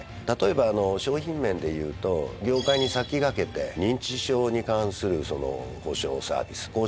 例えば商品面でいうと業界に先駆けて認知症に関する保障サービス